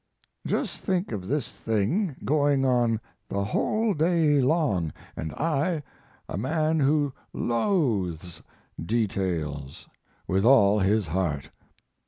Just think of this thing going on the whole day long, and I a man who loathes details with all his heart!